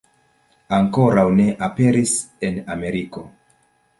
Ankoraŭ ne aperis en Ameriko.